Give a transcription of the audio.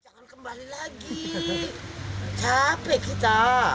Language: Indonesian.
jangan kembali lagi capek kita